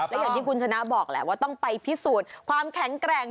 และอย่างที่คุณชนะบอกแหละว่าต้องไปพิสูจน์ความแข็งแกร่ง